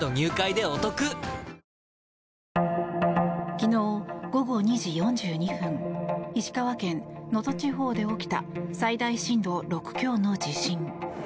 昨日午後２時４２分石川県能登地方で起きた最大震度６強の地震。